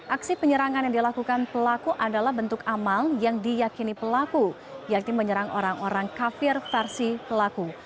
aksi penyerangan yang dilakukan pelaku adalah bentuk amal yang diyakini pelaku yakni menyerang orang orang kafir versi pelaku